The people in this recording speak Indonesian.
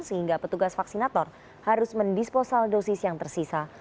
sehingga petugas vaksinator harus mendisposal dosis yang tersisa